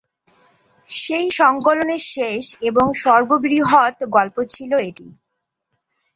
সেই সংকলনের শেষ এবং সর্ববৃহৎ গল্প ছিল এটি।